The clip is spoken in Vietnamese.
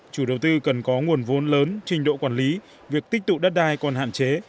chủ đầu tư cần có nguồn vốn lớn trình độ quản lý việc tích tụ đất đai còn hạn chế